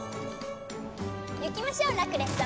行きましょうラクレス様。